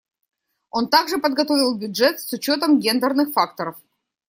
Он также подготовил бюджет с учетом гендерных факторов.